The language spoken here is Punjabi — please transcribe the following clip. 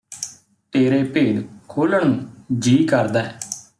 ਤੇਰੇ ਭੇਦ ਖੋਲਣ ਨੂੰ ਜੀਅ ਕਰਦੈ